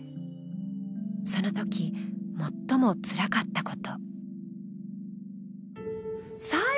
そのとき最もつらかったこと。